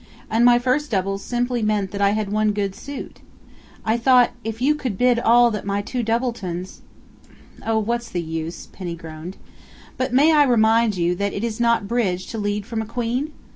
And my first double simply meant that I had one good suit.... I thought if you could bid at all that my two doubletons " "Oh, what's the use?" Penny groaned. "But may I remind you that it is not bridge to lead from a Queen?...